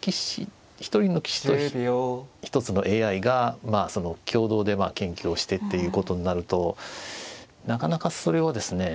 棋士一人の棋士と一つのＡＩが共同で研究をしてっていうことになるとなかなかそれをですね